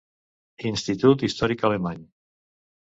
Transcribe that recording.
Institut Històric Alemany.